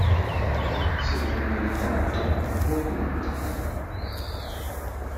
Sḍelmen-kent akk medden.